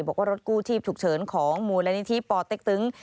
บอกว่ารถกู้ชีพฉุกเฉินของมูลนิธิปอเต็กตึง